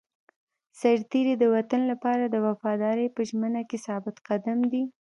سرتېری د وطن لپاره د وفادارۍ په ژمنه کې ثابت قدم دی.